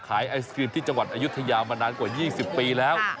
ไอศกรีมที่จังหวัดอายุทยามานานกว่า๒๐ปีแล้ว